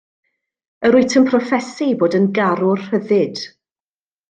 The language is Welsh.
Yr wyt yn proffesu bod yn garwr rhyddid.